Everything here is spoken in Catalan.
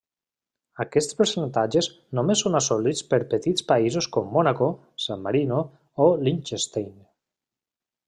Aquests percentatges només són assolits per petits països com Mònaco, San Marino o Liechtenstein.